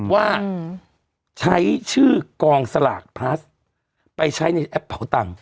ว่าใช้ชื่อกองสลากพลัสไปใช้ในแอปเผาตังค